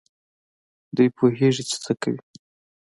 دوی پوهېږي چي څه کوي.